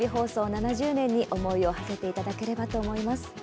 ７０年に思いをはせていただければと思います。